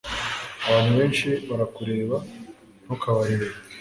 abantu benshi barakureba. ntukabareke